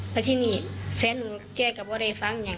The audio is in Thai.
บัดที่นี่แฟนหนูล้วนแกะกับว่าเรฟังอันนั้น